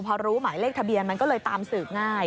พอรู้หมายเลขทะเบียนมันก็เลยตามสืบง่าย